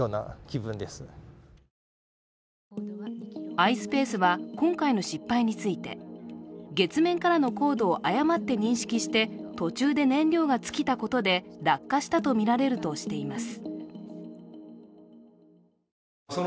ｉｓｐａｃｅは今回の失敗について月面からの高度を誤って認識して途中で燃料が尽きたことで落下したとみられるとしています。